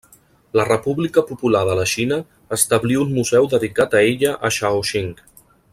La República Popular de la Xina establí un museu dedicat a ella a Shaoxing.